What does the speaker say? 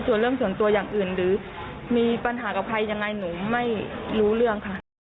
ส่วนเรื่องส่วนตัวอย่างอื่นหรือมีปัญหากับใครยังไงหนูไม่รู้เรื่องค่ะ